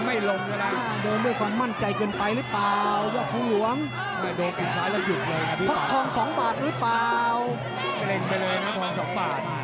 ในแค่ใจสำหรับภาคยกยกขาวเลยนะครับ